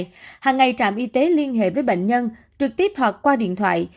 bước bốn hàng ngày trạm y tế liên hệ với bệnh nhân trực tiếp hoặc qua điện thoại